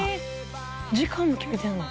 「時間も決めてんの？」